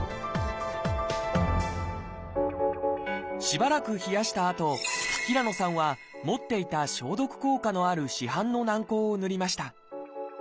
しばらく冷やしたあと平野さんは持っていた消毒効果のある市販の軟こうを塗りました。